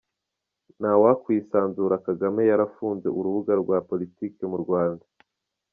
Nta wakwisanzura Kagame yarafunze urubuga rwa politiki mu Rwanda.